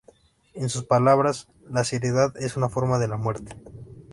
En sus palabras: "La seriedad es una forma de la muerte.